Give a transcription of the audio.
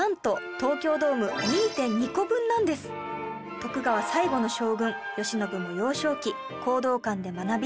徳川最後の将軍慶喜も幼少期弘道館で学び